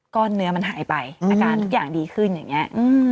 ก็เนื้อมันหายไปอาการทุกอย่างดีขึ้นอย่างนี้